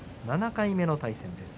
７回目の対戦です。